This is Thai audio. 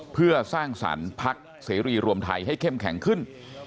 เพื่อสร้างสรรค์พักเสรีรวมไทยให้เข้มแข็งขึ้น